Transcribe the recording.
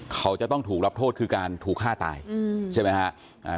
เขาจะต้องถูกรับโทษคือการถูกฆ่าตายใช่ไหมฮะ